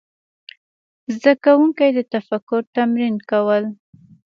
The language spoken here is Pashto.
زده کوونکي د تفکر تمرین کول.